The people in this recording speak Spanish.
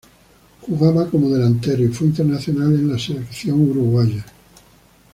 Jugaba como delantero y fue internacional con la selección uruguaya.